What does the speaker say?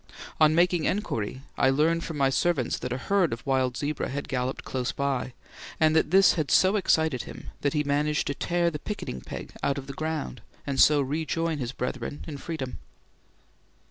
On making enquiry, I learned from my servants that a herd of wild zebra had galloped close by, and that this had so excited him that he managed to tear the picketing peg out of the ground and so rejoin his brethren in freedom.